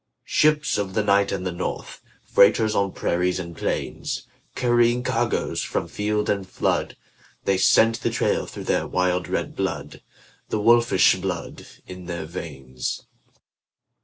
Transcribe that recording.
Ships of the night and the north, Freighters on prairies and plains, Carrying cargoes from field and flood They scent the trail through their wild red blood, The wolfish blood in their veins.